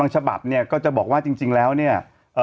ฉบับเนี่ยก็จะบอกว่าจริงแล้วเนี่ย